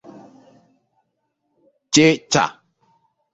chịchaa